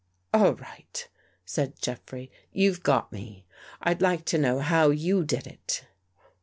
" All right," said Jeffrey. " You've got me. I'd like to know how you did it."